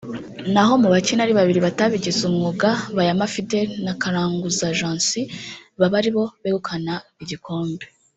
naho mu bakina ari babiri batabigize umwuga Bayama Fidele na Karanguza Jancy baba ari bo begukana igikombe